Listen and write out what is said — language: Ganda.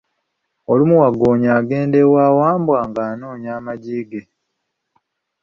Olumu Waggoonya agenda ewa Wambwa nga anoonya amaggi ge.